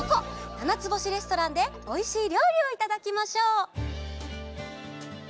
ななつぼしレストランでおいしいりょうりをいただきましょう。